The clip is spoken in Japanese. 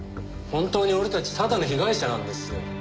本当に俺たちただの被害者なんですよ。